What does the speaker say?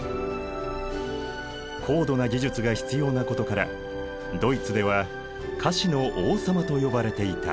高度な技術が必要なことからドイツでは菓子の王様と呼ばれていた。